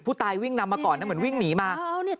ผู้ตายวิ่งนำมาก่อนนะเหมือนวิ่งหนีมา